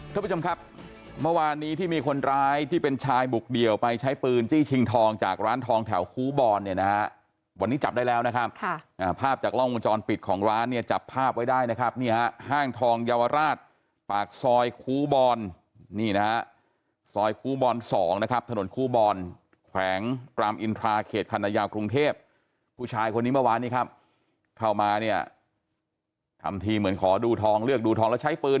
ทุกผู้ชมครับเมื่อวานนี้ที่มีคนร้ายที่เป็นชายบุกเดี่ยวไปใช้ปืนจี้ชิงทองจากร้านทองแถวคูบอลเนี่ยนะวันนี้จับได้แล้วนะครับภาพจากร่องมูลจรปิดของร้านเนี่ยจับภาพไว้ได้นะครับเนี่ยห้างทองเยาวราชปากซอยคูบอลนี่นะฮะซอยคูบอลสองนะครับถนนคูบอลแขวงกรามอินทราเขตคันยาวกรุงเทพผู้ชายคนนี้เมื่อวาน